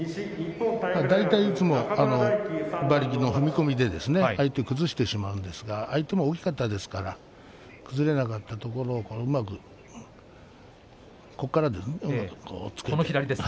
大体、いつも馬力の踏み込みで相手を崩してしまうんですけれど相手も大きかったですから崩れなかったところ、うまく押っつけてね。